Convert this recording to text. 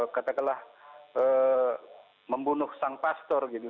kata kala membunuh sang pastor gitu